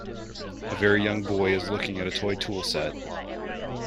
A very young boy is looking at a toy tool set.